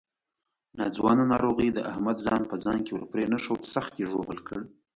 ناځوانه ناروغۍ د احمد ځان په ځان کې ورپرېنښود، سخت یې ژوبل کړ.